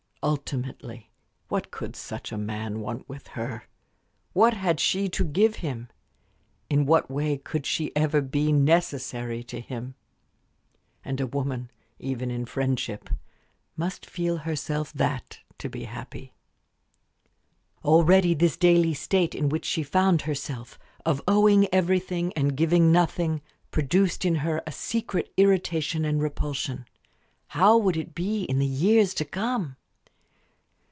Ultimately, what could such a man want with her? What had she to give him? In what way could she ever be necessary to him? And a woman, even in friendship, must feel herself that to be happy. Already this daily state in which she found herself of owing everything and giving nothing produced in her a secret irritation and repulsion; how would it be in the years to come?